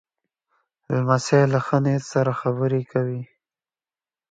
لمسی له ښه نیت سره خبرې کوي.